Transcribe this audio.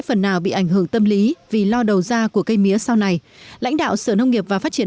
phần nào bị ảnh hưởng tâm lý vì lo đầu ra của cây mía sau này lãnh đạo sở nông nghiệp và phát triển